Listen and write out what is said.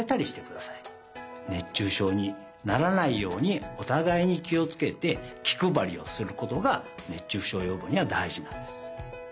熱中症にならないようにおたがいにきをつけてきくばりをすることが熱中症よぼうにはだいじなんです。